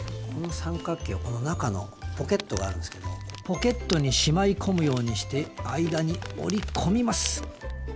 この三角形をこの中のポケットがあるんですけどポケットにしまい込むようにして間に折り込みます。